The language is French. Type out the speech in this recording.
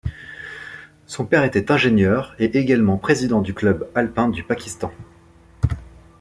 Son père était ingénieur et également président du club alpin du Pakistan.